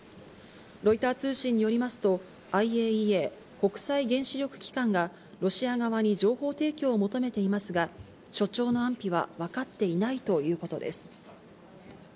ロイター通信によりますと、ＩＡＥＡ・国際原子力機関がロシア側に情報提供を求めていますが、所長の安否は分かっていないということです。